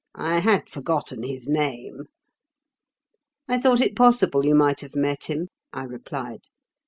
"I had forgotten his name." "I thought it possible you might have met him," I replied.